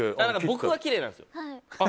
僕はきれいなんですよ。